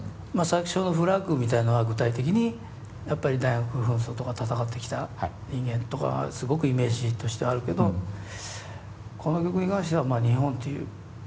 最初の「ｆｌａｇ」みたいなのは具体的にやっぱり大学紛争とか闘ってきた人間とかがすごくイメージとしてあるけどこの曲に関しては「日本」という。